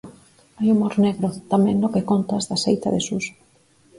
Hai humor negro tamén no que contas da seita de Suso.